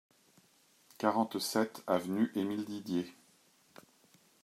quarante-sept avenue Émile Didier